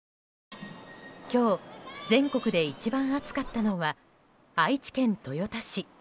今日、全国で一番暑かったのは愛知県豊田市。